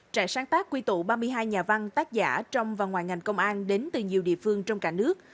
trại sáng tác quy tụ ba mươi hai nhà văn tác giả trong và ngoài ngành công an đến từ nhiều địa phương trong cả nước